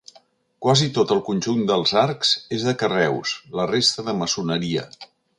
Quasi tot el conjunt dels arcs és de carreus, la resta de maçoneria.